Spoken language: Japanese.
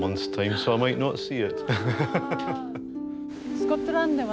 スコットランドではね